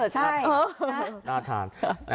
ใช่น่าทาน